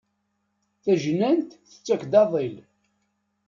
Tajnant tettak-d aḍil.